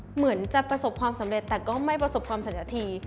เหมือนจะประสบความสำเร็จแต่ก็ไม่ประสบความสัญญาธี